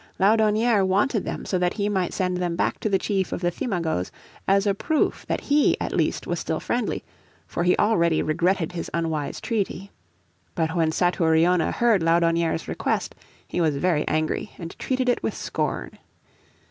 Laudonnière wanted them so that he might send them back to the chief of the Thimagoes as a proof that he at least was still friendly, for he already regretted his unwise treaty. But when Satouriona heard Laudonnière's request he was very angry and treated it with scorn.